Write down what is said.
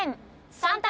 ３択！